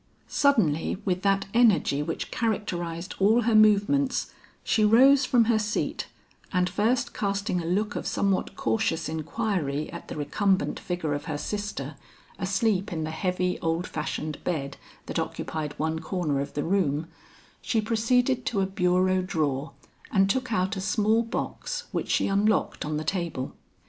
Suddenly with that energy which characterized all her movements, she rose from her seat, and first casting a look of somewhat cautious inquiry at the recumbent figure of her sister, asleep in the heavy old fashioned bed that occupied one corner of the room, she proceeded to a bureau drawer and took out a small box which she unlocked on the table.